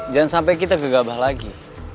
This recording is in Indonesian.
jangan sampai kita gegabah lagi